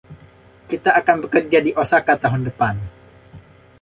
Kita akan bekerja di Osaka tahun depan.